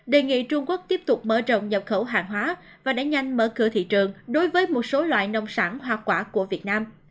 đề nghị trung quốc tiếp tục mở rộng nhập khẩu hàng hóa và đẩy nhanh mở cửa thị trường đối với một số loại nông sản hoa quả của việt nam